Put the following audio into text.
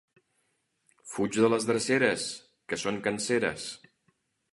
Fuig de les dreceres, que són canseres.